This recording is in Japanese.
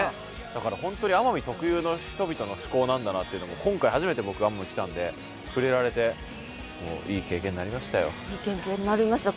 だから本当に奄美特有の人々の思考なんだなっていうのも今回初めて僕奄美来たんで触れられていい経験になりましたよ。いい経験になりました。